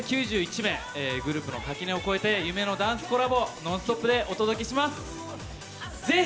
総勢９１名、グループの垣根を超えて、夢のダンスコラボ、ノンストップでお届けします。